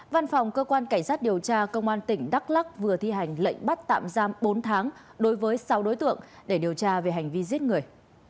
văn phòng cơ quan cảnh sát điều tra công an tỉnh đắk lắc vừa thi hành lệnh bắt tạm giam bốn tháng đối với sáu đối tượng để điều tra về hành vi giết người